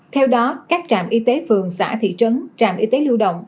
theo đó các trạm y tế phường xã thị trấn trạm y tế lưu động